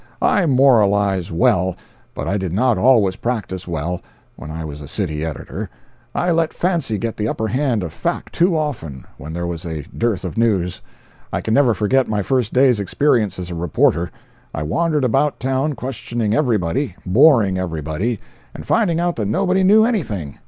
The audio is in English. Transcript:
I moralize well, but I did not always practise well when I was a city editor; I let fancy get the upper hand of fact too often when there was a dearth of news. I can never forget my first day's experience as a reporter. I wandered about town questioning everybody, boring everybody, and finding out that nobody knew anything.